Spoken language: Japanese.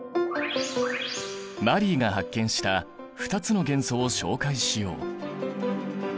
マリーが発見した２つの元素を紹介しよう。